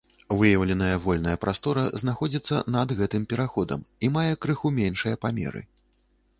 Выяўленая вольная прастора знаходзіцца над гэтым праходам і мае крыху меншыя памеры.